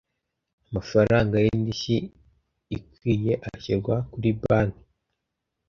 amafaranga y ‘indishyi ikwiye ashyirwa kuri banki.